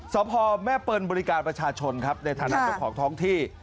สพแม่เปิลบริการประชาชนครับในฐานะเจ้าของท้องที่